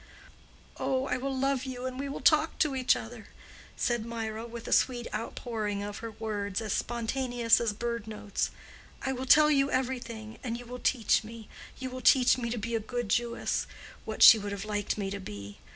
"Oh, I will love you and we will talk to each other," said Mirah, with a sweet outpouring of her words, as spontaneous as bird notes. "I will tell you everything, and you will teach me:—you will teach me to be a good Jewess—what she would have liked me to be.